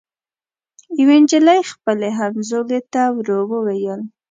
یوې نجلۍ خپلي همزولي ته ورو ووېل